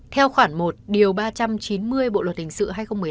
theo khoản một điều ba trăm chín mươi bộ luật hình sự hai nghìn một mươi năm